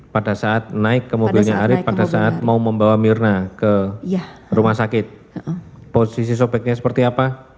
pada saat naik ke mobilnya arief pada saat mau membawa mirna ke rumah sakit posisi sobeknya seperti apa